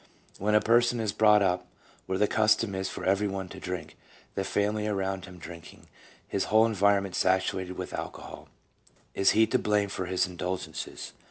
When a person is brought up where the custom is for every one to drink, the family around him drinking, his whole environment saturated with alcohol, is he to blame for his indulgences?